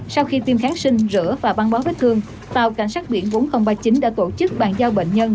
sau khi tiêm kháng sinh rửa và băng bó vết thương tàu cảnh sát biển bốn nghìn ba mươi chín đã tổ chức bàn giao bệnh nhân